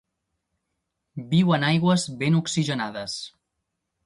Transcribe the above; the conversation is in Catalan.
Viu en aigües ben oxigenades.